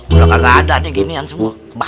udah kagak ada ginian semua